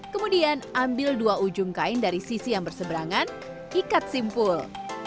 kemudian ambil dua ujung kain dari sisi yang berseberangan ikat simpul